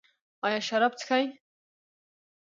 ایا شراب څښئ؟